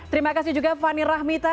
terima kasih juga fani rahmita